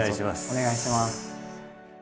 お願いします。